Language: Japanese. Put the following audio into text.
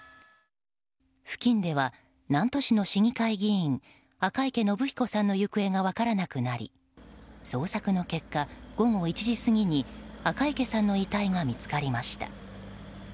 付近では、南砺市の市議会議員赤池伸彦さんの行方が分からなくなり捜索の結果、午後１時過ぎに赤池さんの遺体が見つかりました。